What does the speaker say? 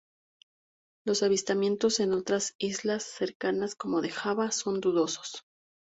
Los avistamientos en otras islas cercanas como Java son dudosos.